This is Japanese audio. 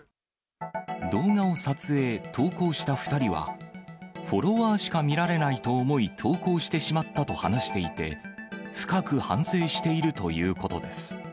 動画を撮影、投稿した２人は、フォロワーしか見られないと思い、投稿してしまったと話していて、深く反省しているということです。